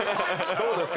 どうですか？